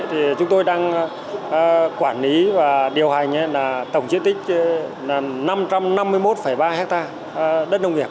thì chúng tôi đang quản lý và điều hành tổng diện tích năm trăm năm mươi một ba hectare đất nông nghiệp